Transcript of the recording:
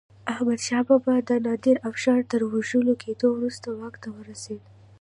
احمدشاه بابا د نادر افشار تر وژل کېدو وروسته واک ته ورسيد.